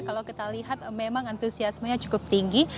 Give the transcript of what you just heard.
kalau kita lihat memang antusiasmenya cukup tinggi